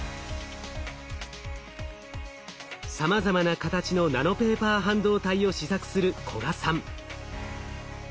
さまざま形のナノペーパー半導体を試作する古賀さん。